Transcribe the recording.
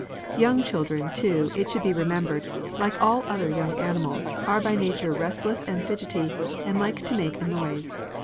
Young children, too, it should be remembered, like all other young animals, are by nature restless and fidgety, and like to make a noise.